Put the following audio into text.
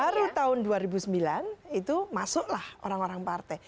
baru tahun dua ribu sembilan itu masuklah orang orang partai